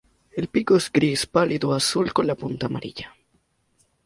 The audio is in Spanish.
El pico es gris pálido a azul con la punta amarilla.